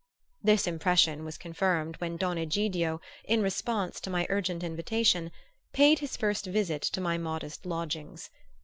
This impression was confirmed when Don Egidio, in response to my urgent invitation, paid his first visit to my modest lodgings.